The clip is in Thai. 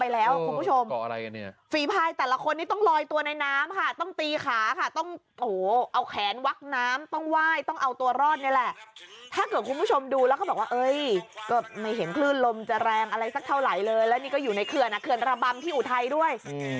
แล้วดูสิแต่ละคนจะเอาตัวรอดกันยังไงเนี่ย